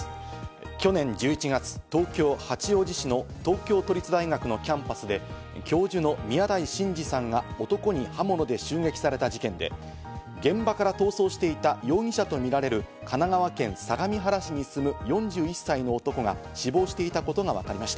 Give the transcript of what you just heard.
去年１１月、東京・八王子市の東京都立大学のキャンパスで、教授の宮台真司さんが男に刃物で襲撃された事件で、現場から逃走していた容疑者とみられる神奈川県相模原市に住む４１歳の男が死亡していたことがわかりました。